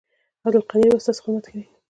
عبدالقدیر به ستاسو خدمت کوي